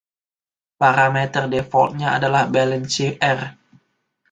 Parameter defaultnya adalah balance-rr.